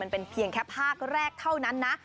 เป็นเพียงแค่ภาคแรกเท่านั้นนะ